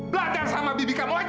belanda sama bibi kamu aja